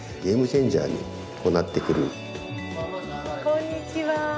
こんにちは。